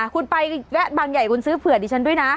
คุณไปแวะบางใหญ่คุณซื้อเผื่อดิฉันด้วยนะ